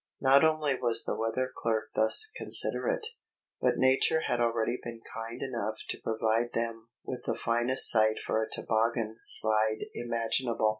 Not only was the weather clerk thus considerate, but nature had already been kind enough to provide them with the finest site for a toboggan slide imaginable.